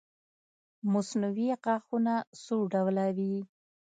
مصنوعي غاښونه څو ډوله وي